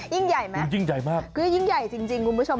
ยิ่งใหญ่ไหมยิ่งใหญ่มากคือยิ่งใหญ่จริงคุณผู้ชม